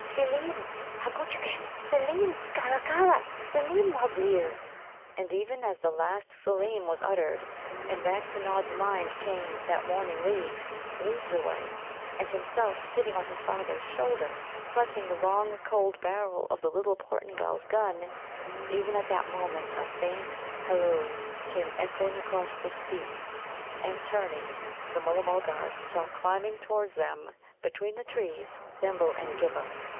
Seelem arggutchkin! Seelem! kara, kara! Seelem mugleer!" And even as that last Seelem was uttered, and back to Nod's mind came that morning leagues, leagues away, and himself sitting on his father's shoulder, clutching the long cold barrel of the little Portingal's gun even at that moment a faint halloo came echoing across the steeps, and, turning, the Mulla mulgars saw climbing towards them between the trees Thimble and Ghibba.